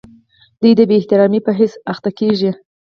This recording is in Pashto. دوی د بې احترامۍ په حس اخته کیږي.